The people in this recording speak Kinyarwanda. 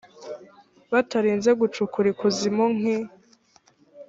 batarinze gucukura ikuzimu nk i